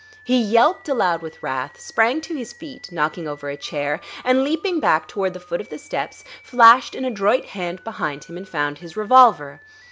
He yelped aloud with wrath, sprang to his feet, knocking over a chair, and leaping back toward the foot of the steps, flashed an adroit hand behind him and found his revolver.